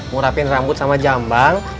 murahkan rambut sama jambang